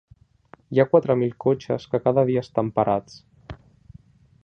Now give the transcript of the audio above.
Hi ha quatre mil cotxes que cada dia estan parats.